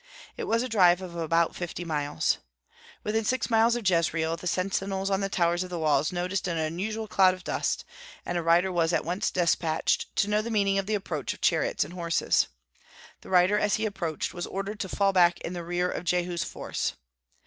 It was a drive of about fifty miles. When within six miles of Jezreel the sentinels on the towers of the walls noticed an unusual cloud of dust, and a rider was at once despatched to know the meaning of the approach of chariots and horses. The rider, as he approached, was ordered to fall back in the rear of Jehu's force.